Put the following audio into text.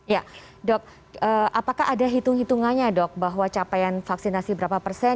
ya dok apakah ada hitung hitungannya dok bahwa capaian vaksinasi berapa persen